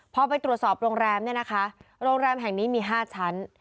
พอไปตรวจสอบโรงแรมเนี่ยนะคะโรงแรมแห่งนี้มี๕ชั้น